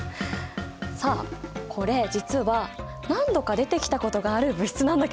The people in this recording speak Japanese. さあこれ実は何度か出てきたことがある物質なんだけど！